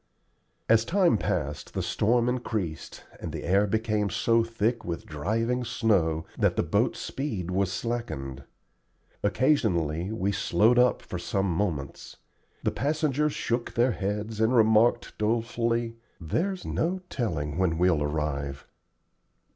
As time passed, the storm increased, and the air became so thick with driving snow that the boat's speed was slackened. Occasionally we "slowed up" for some moments. The passengers shook their heads and remarked, dolefully, "There's no telling when we'll arrive."